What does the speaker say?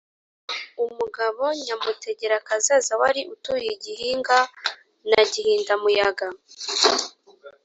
umugabo nyamutegerakazaza wari utuye i gihinga na gihindamuyaga